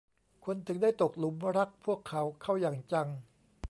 คนถึงได้ตกหลุมรักพวกเขาเข้าอย่างจัง